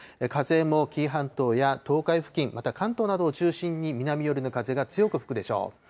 風も紀伊半島や東海付近、また関東などを中心に南寄りの風が強く吹くでしょう。